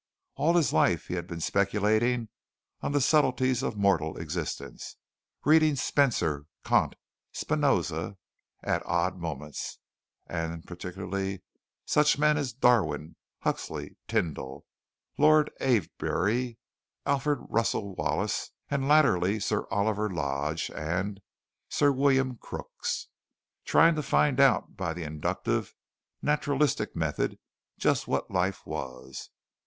All his life he had been speculating on the subtleties of mortal existence, reading Spencer, Kant, Spinoza, at odd moments, and particularly such men as Darwin, Huxley, Tyndall, Lord Avebury, Alfred Russel Wallace, and latterly Sir Oliver Lodge and Sir William Crookes, trying to find out by the inductive, naturalistic method just what life was.